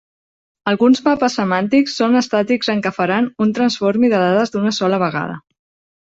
Alguns mapes semàntics són estàtics en què faran un Transformi de dades d'una sola vegada.